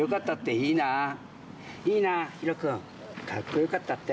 いいなあひろくん「かっこよかった」って。